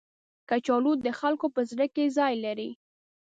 کچالو د خلکو په زړه کې ځای لري